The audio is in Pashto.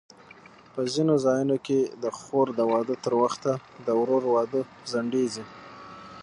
په ځینو ځایونو کې د خور د واده تر وخته د ورور واده ځنډېږي.